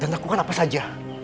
dan aku kan apa saja